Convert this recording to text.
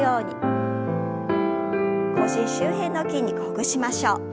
腰周辺の筋肉ほぐしましょう。